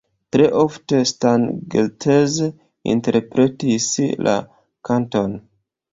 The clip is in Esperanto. Tre ofte Stan Getz interpretis la kanton.